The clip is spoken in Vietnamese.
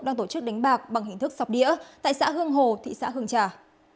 đang tổ chức đánh bạc bằng hình thức sọc đĩa tại xã hương hồ thị xã hương trà